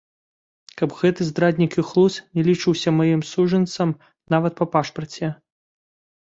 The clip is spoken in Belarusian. Каб гэты здраднік і хлус не лічыўся маім сужэнцам нават па пашпарце!